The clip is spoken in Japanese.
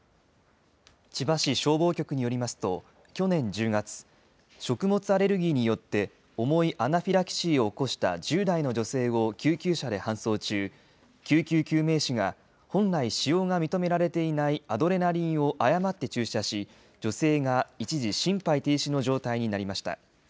千葉市消防局によりますと、去年１０月、食物アレルギーによって重いアナフィラキシーを起こした１０代の女性を救急車で搬送中、救急救命士が本来使用が認められていないアドレナリンを誤って注射し、女性が一時心肺停止の状態になりました。